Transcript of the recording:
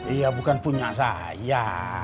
iya bukan punya saya